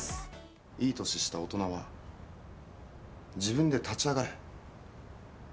いい年した大人が自分で立ち上がれ。